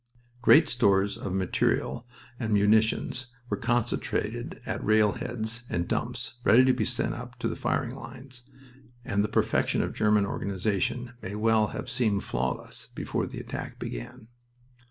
Great stores of material and munitions were concentrated at rail heads and dumps ready to be sent up to the firing lines, and the perfection of German organization may well have seemed flawless before the attack began.